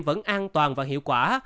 vẫn an toàn và hiệu quả